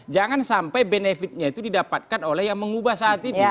jangan sampai benefitnya itu didapatkan oleh yang mengubah saat itu